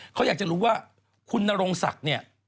เขาอยากจะรู้ว่าคุณนรงศักดิ์เนี่ย